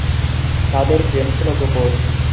তাঁদের প্রেম ছিল গোপন।